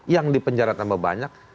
yang di penjara tambah banyak